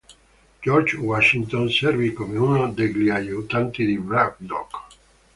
George Washington servì come uno degli aiutanti di Braddock.